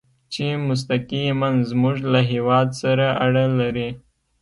چې مستقیماً زموږ له هېواد سره اړه لري.